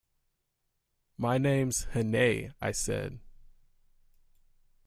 “My name’s Hannay,” I said.